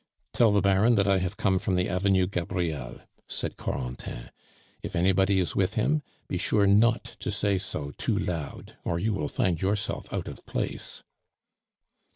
"Tell the Baron that I have come from the Avenue Gabriel," said Corentin. "If anybody is with him, be sure not to say so too loud, or you will find yourself out of place!"